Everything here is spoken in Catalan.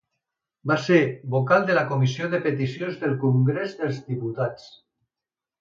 Va ser vocal de la comissió de Peticions del Congrés dels Diputats.